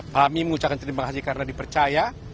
kami mengucapkan terima kasih karena dipercaya